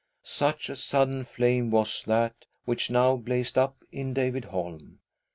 Such a sudden flame was that which now blazed up within David Holm.